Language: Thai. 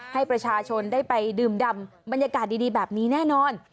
ให้ประชาชนได้ไปดื่มดำบรรยากาศดีแบบนี้แน่นอน